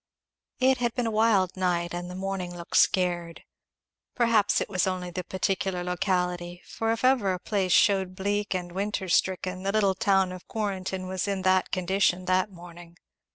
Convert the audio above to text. It had been a wild night, and the morning looked scared. Perhaps it was only the particular locality, for if ever a place shewed bleak and winter stricken the little town of Quarrenton was in that condition that morning.